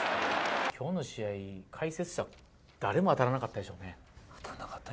きょうの試合、解説者、当たらなかったでしょうね。